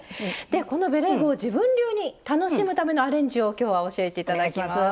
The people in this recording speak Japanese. でこのベレー帽を自分流に楽しむためのアレンジを今日は教えて頂きます。